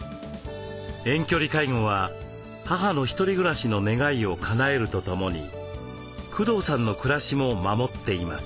遠距離介護は母の一人暮らしの願いをかなえるとともに工藤さんの暮らしも守っています。